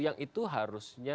yang itu harusnya